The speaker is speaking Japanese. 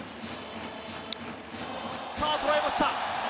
捉えました。